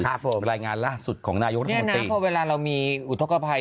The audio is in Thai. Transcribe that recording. ครับผมรายงานล่าสุดของนายกรัฐมนตรีเพราะเวลาเรามีอุทธกภัย